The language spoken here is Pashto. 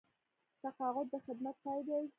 تقاعد د خدمت پای دی